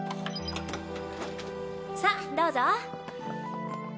さどうぞ。